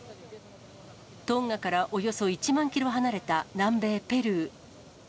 トンガからおよそ１万キロ離れた南米ペルー。